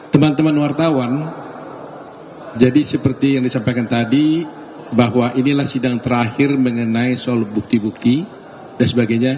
teman teman wartawan jadi seperti yang disampaikan tadi bahwa inilah sidang terakhir mengenai soal bukti bukti dan sebagainya